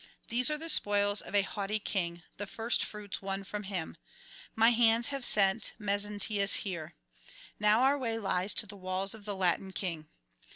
These are the spoils of a haughty king, the first fruits won from him; my hands have set Mezentius here. Now our way lies to the walls of the Latin king.